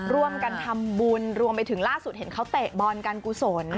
ร่วมกันทำบุญรวมไปถึงล่าสุดเห็นเขาเตะบอลการกุศล